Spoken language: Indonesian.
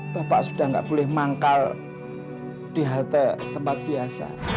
bapak sudah tidak boleh manggal di halte tempat biasa